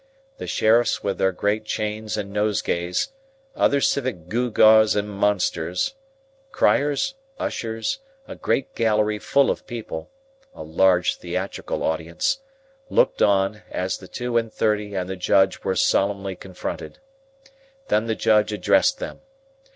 The sheriffs with their great chains and nosegays, other civic gewgaws and monsters, criers, ushers, a great gallery full of people,—a large theatrical audience,—looked on, as the two and thirty and the Judge were solemnly confronted. Then the Judge addressed them.